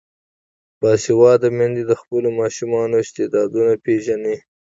باسواده میندې د خپلو ماشومانو استعدادونه پیژني.